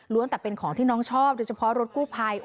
แต่เป็นของที่น้องชอบโดยเฉพาะรถกู้ภัย